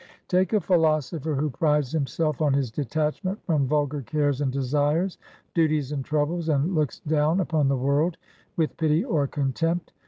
Take a philosopher who prides himself on his detachment from vulgar cares and desires, duties and troubles, and looks down upon the world with pity or contempt.